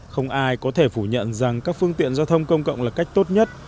không ai có thể phủ nhận rằng các phương tiện giao thông công cộng là cách tốt nhất